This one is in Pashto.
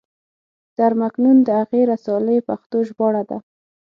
در مکنون د هغې رسالې پښتو ژباړه ده.